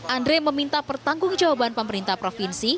andre meminta pertanggung jawaban pemerintah provinsi